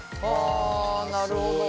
あなるほど。